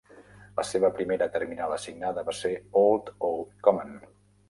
La seva primera terminal assignada va ser Old Oak Common.